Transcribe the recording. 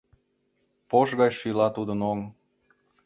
Пош гай шӱла тудын оҥ.